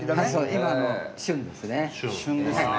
今の旬ですね。